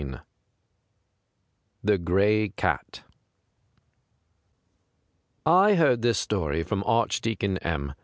v THE GRAY CAT I HEARD this story from Archdeacon M